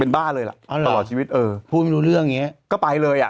เป็นบ้าเลยล่ะอ๋อหรอตลอดชีวิตเออผูกไม่รู้เรื่องไงก็ไปเลยอ่ะ